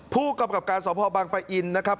ผู้กำกับการสพบังปะอินนะครับ